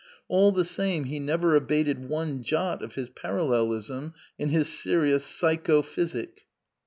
All the same, he never abated one jot of his Parallelism in his serious Psycho Physik.